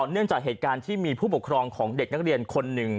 เนื่องจากเหตุการณ์ที่มีผู้ปกครองของเด็กนักเรียนคนหนึ่ง